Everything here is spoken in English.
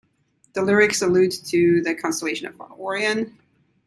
The lyrics allude to the constellation of Orion.